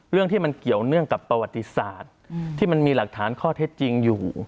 เรื่องที่มันเกี่ยวเนื่องกับประวัติศาสตร์ที่มันมีหลักฐานข้อเท็จจริงอยู่